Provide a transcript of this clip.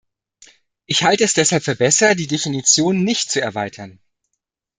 Ich halte es deshalb für besser, die Definition nicht zu erweitern.